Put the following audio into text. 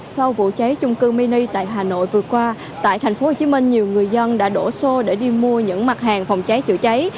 sau vụ cháy trung cư mini tại hà nội vừa qua tại tp hcm nhiều người dân đã đổ xô để đi mua những mặt hàng phòng cháy chữa cháy